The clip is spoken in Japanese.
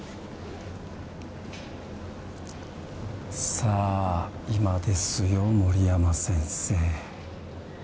さあ今ですよ森山先生。